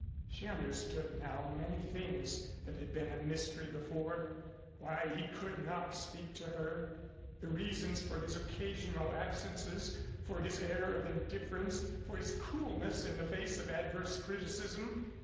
She understood now many things that had been a mystery before; why he could not speak to her; the reasons for his occasional absences, for his air of indifference, for his coolness in the face of adverse criticism.